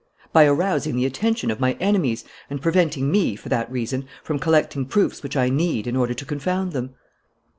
"By arousing the attention of my enemies and preventing me, for that reason, from collecting proofs which I need in order to confound them."